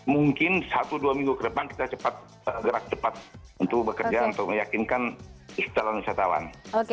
mungkin satu dua minggu ke depan kita cepat gerak cepat untuk bekerja untuk meyakinkan calon wisatawan